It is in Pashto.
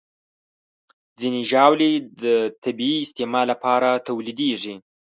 ځینې ژاولې د طبي استعمال لپاره تولیدېږي.